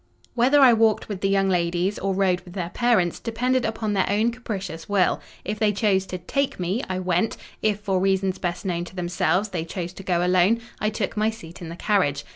Whether I walked with the young ladies or rode with their parents, depended upon their own capricious will: if they chose to "take" me, I went; if, for reasons best known to themselves, they chose to go alone, I took my seat in the carriage.